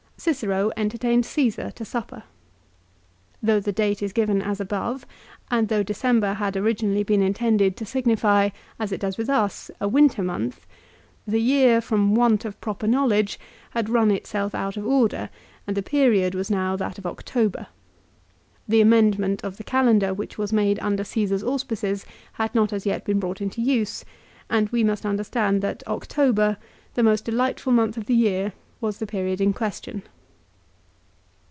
Cicero entertained Csesar to supper. Though the date is given as above, and though December had originally been intended to signify, as it does with us, a winter month, the year, from want of proper knowledge, had run itself out of order, and the period was now that of October. The amend ment of the Calendar, which was made under Caesar's auspices, had not as yet been brought into use, and we must understand that October, the most delightful month of the year, was the period in question.